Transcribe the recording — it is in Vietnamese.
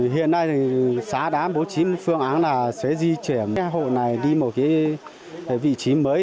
hiện nay xã đã bố trí phương án là sẽ di chuyển hộ này đi một vị trí mới